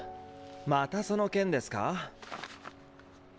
またその件ですか？